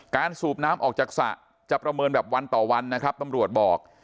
สูบน้ำออกจากสระจะประเมินแบบวันต่อวันนะครับตำรวจบอก